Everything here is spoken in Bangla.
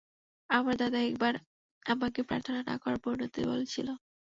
আমার দাদা একবার আমাকে প্রর্থনা না করার পরিণতি বলেছিল।